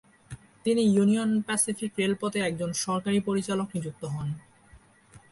তিনি Union Pacific রেলপথের একজন সরকারি পরিচালক নিযুক্ত হন।